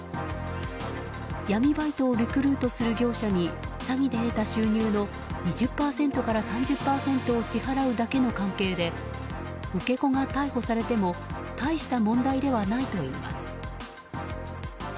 闇バイトをリクルートする業者に詐欺で得た収入の２０％から３０％を支払うだけの関係で受け子が逮捕されても大した問題ではないといいます。